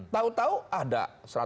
tahu tahu ada satu ratus tiga